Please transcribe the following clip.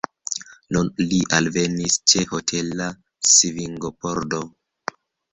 Nun li alvenis ĉe hotela svingopordo.